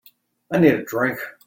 I need a drink.